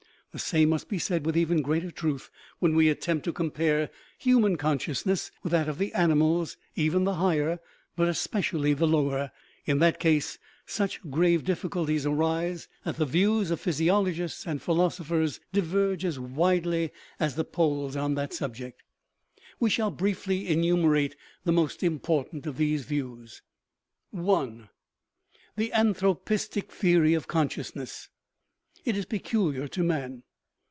The same must be said with even greater truth when we attempt to compare human consciousness with that of the animals (even the higher, but especially the lower). In that case such grave difficulties arise that the views of phys iologists and philosophers diverge as widely as the 172 CONSCIOUSNESS poles on the subject. We shall briefly enumerate the most important of these views. I. The anthropistic theory of consciousness. It is pe culiar to man.